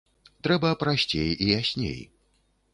Трэба прасцей і ясней.